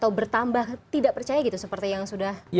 kalau bertambah tidak percaya gitu seperti yang sudah terjadi saat ini